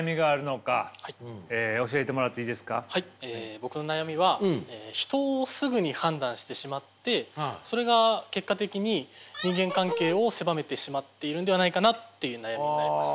僕の悩みは人をすぐに判断してしまってそれが結果的に人間関係を狭めてしまっているのではないかなっていう悩みになります。